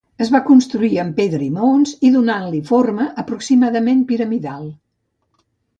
Es va construir amb pedra i maons i donant-li forma aproximadament piramidal.